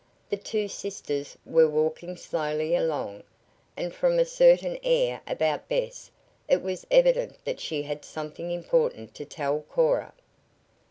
The two sisters were walking slowly along, and from a certain air about Bess it was evident that she had something important to tell Cora.